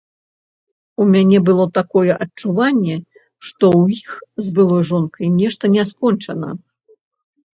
У мяне было такое адчуванне, што ў іх з былой жонкай нешта не скончана.